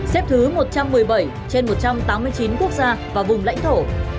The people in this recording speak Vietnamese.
xếp thứ một trăm một mươi bảy trên một trăm tám mươi chín quốc gia và vùng lãnh thổ